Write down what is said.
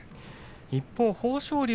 一方、豊昇龍